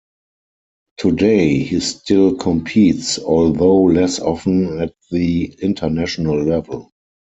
Today, he still competes although less often at the international level.